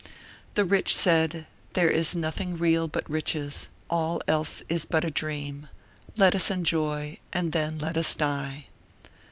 The rich said: "There is nothing real but riches, all else is a dream; let us enjoy and then let us die."